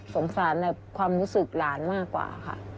สงสารความรู้สึกหลานมากกว่าค่ะ